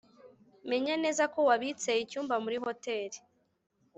menya neza ko wabitse icyumba muri hoteri.